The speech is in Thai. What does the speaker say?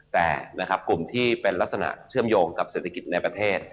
แต่นะครับกลุ่มที่เป็นลักษณะเชื่อมโยงกับเศรษฐกิจในประเทศ